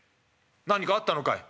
何かあったのかい」。